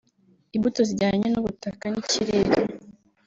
imbuto zijyanye n’ubutaka n’ikirere